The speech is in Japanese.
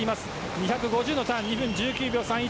２５０のターン２分１９秒３１。